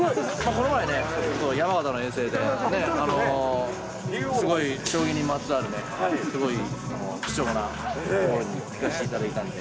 この前に、ちょっと山形の遠征で、すごい、将棋にまつわる、すごい貴重な所に行かしていただいたんで。